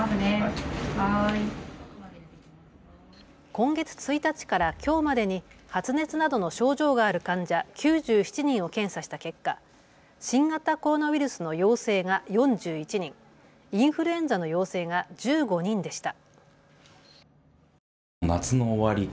今月１日からきょうまでに発熱などの症状がある患者９７人を検査した結果、新型コロナウイルスの陽性が４１人、インフルエンザの陽性が１５人でした。